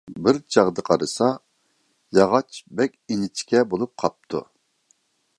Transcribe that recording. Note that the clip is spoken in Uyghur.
بىر چاغدا قارىسا، ياغاچ بەك ئىنچىكە بولۇپ قاپتۇ.